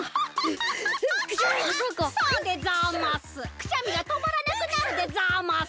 くしゃみがとまらなくなるでざます。